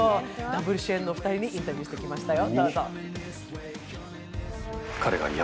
ダブル主演のお二人にインタビューしてきましたよ。